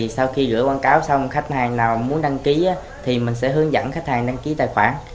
sau khi gửi quảng cáo xong khách hàng nào muốn đăng ký thì mình sẽ hướng dẫn khách hàng đăng ký tài khoản